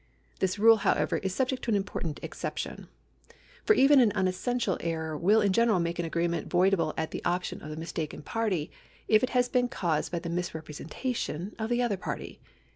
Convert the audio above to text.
^ This rule, however, is subject to an important exception, for even unessential error will in general make an agreement voidable at the option of the mistaken party, if it has been caused by the misrepresentation of the other party.